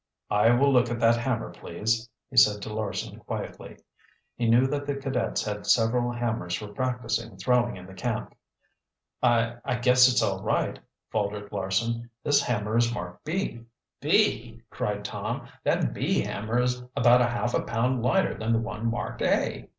"I will look at that hammer, please," he said to Larson quietly. He knew that the cadets had several hammers for practicing throwing in the camp. "I I guess it's all right," faltered Larson. "This hammer is marked B." "B!" cried Tom. "That B hammer is about half a pound lighter than the one marked A."